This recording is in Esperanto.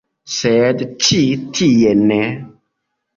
Sed ĉi tie ne.